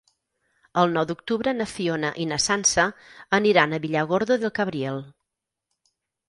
El nou d'octubre na Fiona i na Sança aniran a Villargordo del Cabriel.